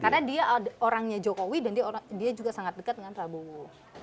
karena dia orangnya jokowi dan dia juga sangat dekat dengan prabowo